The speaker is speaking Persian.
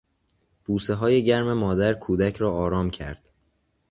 بوسههای گرم مادر کودک را آرام کرد.